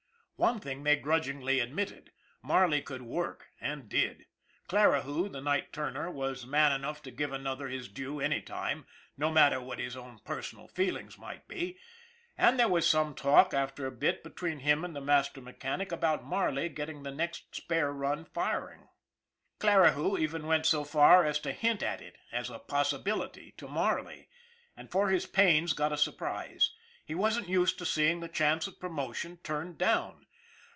One thing they grudgingly admitted Marley could work, and did. Clarihue, the night turner, was man enough to give another his due any time, no matter what his own personal feelings might be, and there was some talk, after a bit, between him and the master mechanic about Marley getting the next spare run Hiring. Clarihue even went so far as to hint at it as a possibility to Marley, and for his pains got a surprise he wasn't used to seeing the chance of promotion turned down.